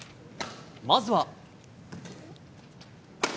まずは。